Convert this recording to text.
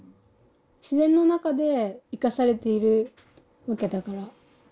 自然の中で生かされているわけだから。